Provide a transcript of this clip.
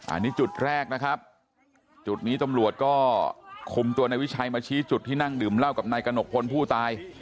อันนี้จุดแรกนะครับจุดนี้ตำรวจก็คุมตัวนายวิชัยมาชี้จุดที่นั่งดื่มเหล้ากับนายกระหนกพลผู้ตาย